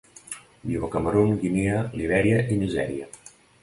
Viu a Camerun, Guinea, Libèria i Nigèria.